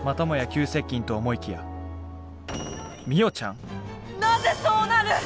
急接近と思いきやなぜそうなる！？